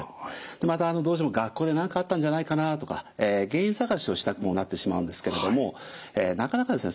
またどうしても学校で何かあったんじゃないかなとか原因探しをしたくもなってしまうんですけれどもなかなかですね